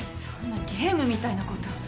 そんなゲームみたいなこと。